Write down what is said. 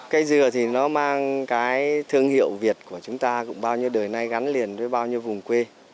cây dừa thì nó mang cái thương hiệu việt của chúng ta cũng bao nhiêu đời nay gắn liền với bao nhiêu vùng quê